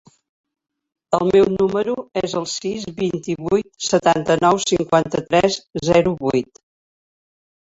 El meu número es el sis, vint-i-vuit, setanta-nou, cinquanta-tres, zero, vuit.